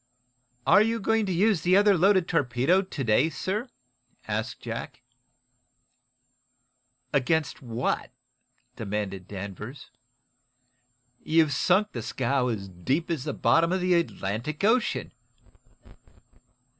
"Are you going to use the other loaded torpedo to day, sir?" asked Jack. "Against what?" demanded Danvers. "You've sunk the scow as deep as the bottom of the Atlantic Ocean."